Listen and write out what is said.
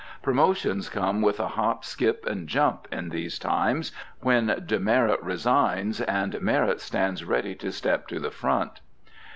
Promotions come with a hop, skip, and jump, in these times, when demerit resigns and merit stands ready to step to the front.